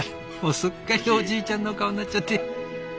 すっかりおじいちゃんの顔になっちゃって。